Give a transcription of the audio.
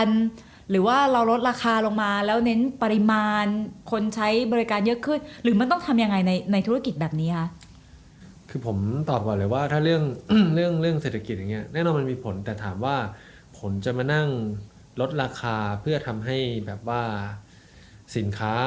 แกล้ลงไปไหมผมตอบว่าไม่